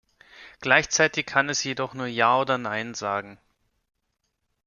Gleichzeitig kann es jedoch nur ja oder nein sagen.